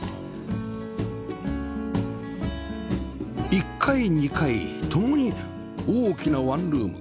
１階２階ともに大きなワンルーム